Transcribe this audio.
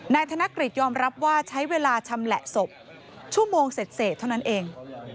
ธนกฤษยอมรับว่าใช้เวลาชำแหละศพชั่วโมงเสร็จเท่านั้นเอง